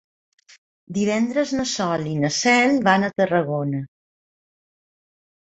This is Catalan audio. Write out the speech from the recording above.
Divendres na Sol i na Cel van a Tarragona.